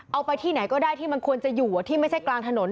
ไปที่ไหนก็ได้ที่มันควรจะอยู่ที่ไม่ใช่กลางถนน